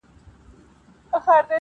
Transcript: نجلۍ له شرمه پټه ساتل کيږي-